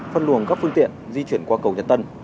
phân luồng các phương tiện di chuyển qua cầu nhật tân